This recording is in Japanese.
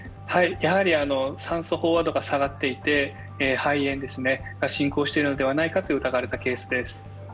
酸素飽和度が下がっていて肺炎が進行しているのではないかと疑われたケースです。